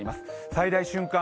最大瞬間